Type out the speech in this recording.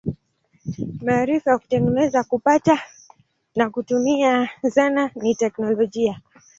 Maarifa ya kutengeneza, kupata na kutumia zana ni teknolojia.